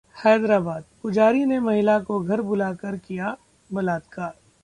हैदराबादः पुजारी ने महिला को घर बुलाकर किया बलात्कार